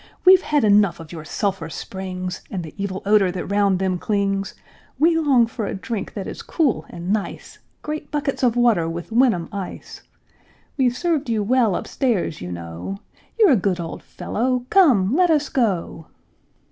We've had enough of your sulphur springs, And the evil odor that round them clings; We long for a drink that is cool and nice, Great buckets of water with Wenham ice; We've served you well up stairs, you know; You're a good old fellow come, let us go!"